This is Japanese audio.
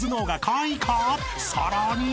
［さらに！］